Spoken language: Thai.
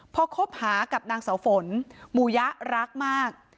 พอคบหากับนางเสาฝนหมู่ยะรักมาก